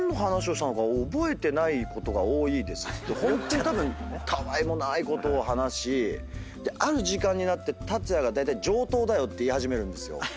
ホントにたぶんたわいもないことを話しある時間になって竜也がだいたい「上等だよ」って言い始めるんですよ。